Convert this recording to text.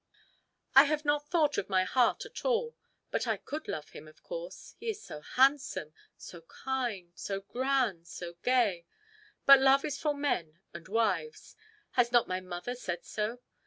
"I have not thought of my heart at all. But I could love him, of course. He is so handsome, so kind, so grand, so gay! But love is for men and wives has not my mother said so?